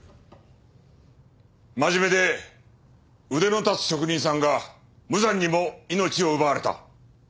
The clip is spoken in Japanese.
真面目で腕の立つ職人さんが無残にも命を奪われた。